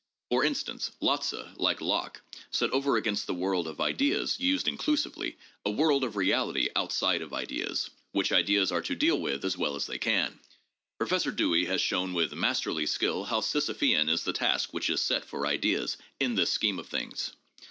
For instance, Lotze, like Locke, set over against the world of ideas, used inclusively, a world of reality outside of ideas, which ideas are to deal with as well as they can : Professor Dewey has shown with masterly skill how Sisyphean is the task which is set for ideas in this scheme of things.